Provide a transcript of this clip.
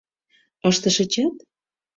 Ыштышычат?